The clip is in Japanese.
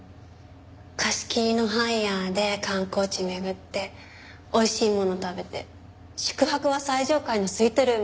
貸し切りのハイヤーで観光地巡っておいしいもの食べて宿泊は最上階のスイートルーム。